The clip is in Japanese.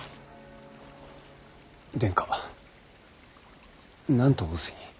殿下何と仰せに？